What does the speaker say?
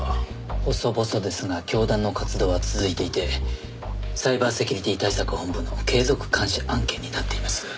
細々ですが教団の活動は続いていてサイバーセキュリティ対策本部の継続監視案件になっています。